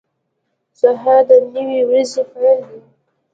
• سهار د نوې ورځې پیل دی.